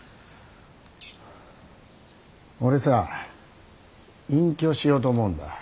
俺さ隠居しようと思うんだ。